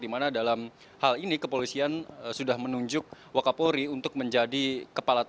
di mana dalam hal ini kepolisian sudah menunjuk wakapori untuk menjadi kepala